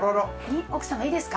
奥様いいですか？